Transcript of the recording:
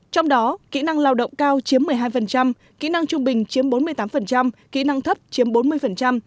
trong đó kỹ năng lao động cao chiếm một mươi hai kỹ năng trung bình chiếm bốn mươi tám kỹ năng thấp chiếm bốn mươi